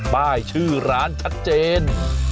ป้ายชื่อร้านชัดเจน